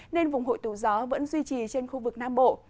nên vùng hội tù gió vẫn duy trì trên khu vực nam bộ